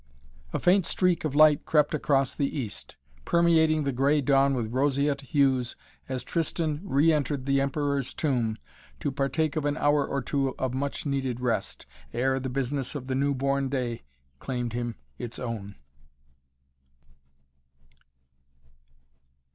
A faint streak of light crept across the East, permeating the grey dawn with roseate hues as Tristan re entered the Emperor's Tomb to partake of an hour or two of much needed rest, ere the business of the new born day claimed him its own.